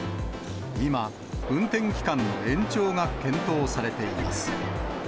今、運転期間の延長が検討されています。